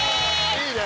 いいね！